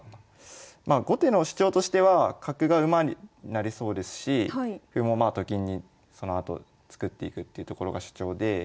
まあ後手の主張としては角が馬になりそうですし歩もまあと金にそのあと作っていくっていうところが主張で。